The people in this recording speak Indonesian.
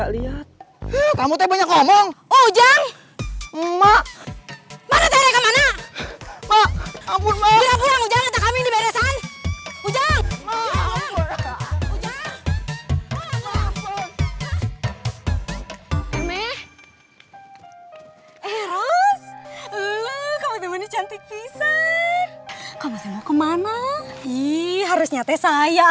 lihat kamu banyak ngomong ujang emak emak mana mana kamu mau kemana harusnya saya